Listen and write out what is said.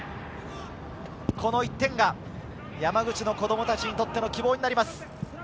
この１点が山口の子供たちにとっての希望になります。